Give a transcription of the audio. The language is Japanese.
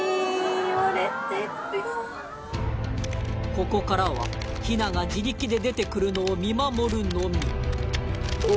ここからはヒナが自力で出て来るのを見守るのみお！